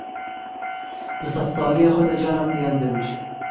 Di sed saliya xwe de cara sêyem zewicî.